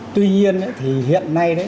tuy nhiên thì hiện nay